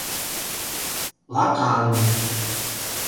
— Лакан...